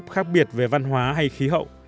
bất chấp khác biệt về văn hóa hay khí hậu